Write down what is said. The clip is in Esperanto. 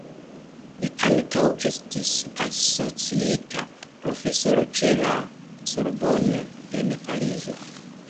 Li ankaŭ estis asociita profesoro ĉe la Sorbonne en Parizo.